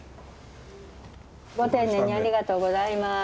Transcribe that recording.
ご丁寧にありがとうございます。